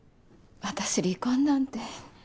私離婚なんて。